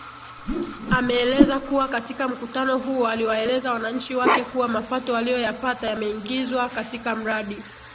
Ameeleza kuwa katika mkutano huo aliwaeleza wananchi wake kuwa mapato aliyoyapata yameingizwa katika mradi